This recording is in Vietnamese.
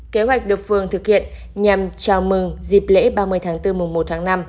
kế hoạch được phương thực hiện nhằm chào mừng dịp lễ ba mươi tháng bốn mùa một tháng năm